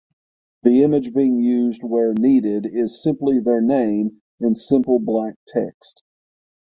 The image being used where needed is simply their name in simple black text.